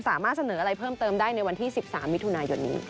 สามารถเสนออะไรเพิ่มเติมได้ในวันที่๑๓มิถุนายนนี้